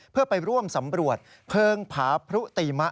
เพื่อไปร่วมสำรวจเพลิงผาพรุติมะ